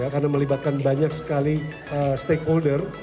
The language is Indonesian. karena melibatkan banyak sekali stakeholder